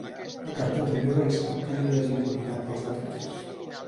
La carta també va instar que no hi hagi impunitat pels delictes.